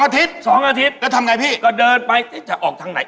ตรงนี้มันจะอยู่กับใคร